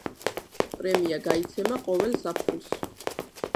პრემია გაიცემა ყოველ ზაფხულს.